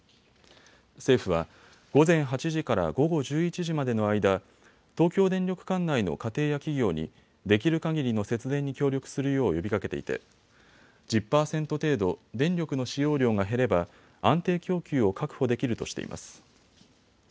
政府は午前８時から午後１１時までの間、東京電力管内の家庭や企業にできるかぎりの節電に協力するよう呼びかけていて１０％程度、電力の使用量が減れば安定供給を確保できるとしています。